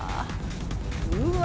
うわ！